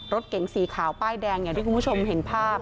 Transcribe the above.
รถเก๋งสีขาวป้ายแดงอย่างที่คุณผู้ชมเห็นภาพ